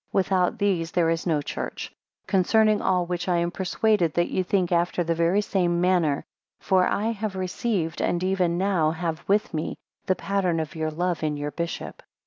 9 Without these there is no church; concerning all which, I am persuaded that ye think after the very same manner; for I have received, and even now have with me, the pattern of your love, in your bishop.